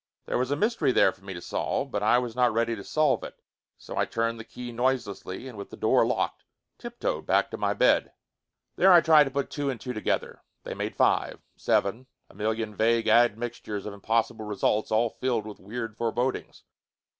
There was a mystery there for me to solve. But I was not ready to solve it; so I turned the key noiselessly, and with the door locked, tiptoed back to my bed. There I tried to put two and two together. They made five, seven, a million vague admixtures of impossible results, all filled with weird forebodings.